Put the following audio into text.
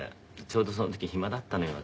ちょうどその時暇だったのよ